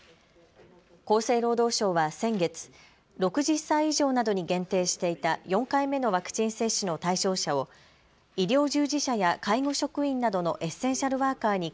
厚生労働省は先月、６０歳以上などに限定していた４回目のワクチン接種の対象者を医療従事者や介護職員などのエッセンシャルワーカーに